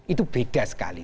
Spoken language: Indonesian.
itu beda sekali